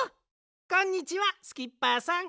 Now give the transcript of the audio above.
こんにちはスキッパーさん。